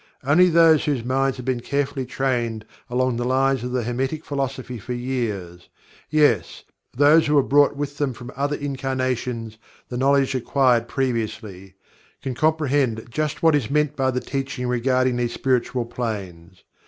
Only those whose minds have been carefully trained along the lines of the Hermetic Philosophy for years yes, those who have brought with them from other incarnations the knowledge acquired previously can comprehend just what is meant by the Teaching regarding these Spiritual Planes.